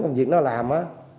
công việc nó làm á